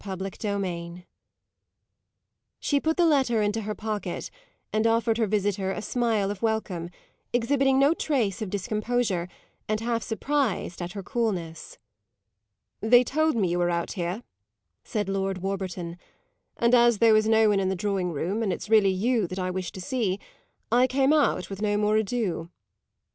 CHAPTER XII She put the letter into her pocket and offered her visitor a smile of welcome, exhibiting no trace of discomposure and half surprised at her coolness. "They told me you were out here," said Lord Warburton; "and as there was no one in the drawing room and it's really you that I wish to see, I came out with no more ado."